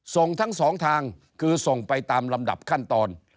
ส่งทั้งสองทางคือส่งไปตามลำดับขั้นตอน